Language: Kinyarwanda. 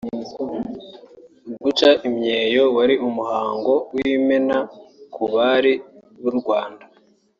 Guca imyeyo wari umuhango w’Imena ku Bari b’u Rwanda